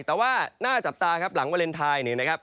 แต่ว่าน่าจับตาครับหลังวาเลนไทยเนี่ยนะครับ